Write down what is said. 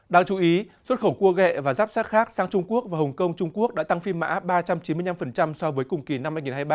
đáng chú ý xuất khẩu cua gẹ và giáp sác khác sang trung quốc và hồng kông trung quốc đã tăng phi mã ba trăm chín mươi năm so với cùng kỳ năm hai nghìn hai mươi ba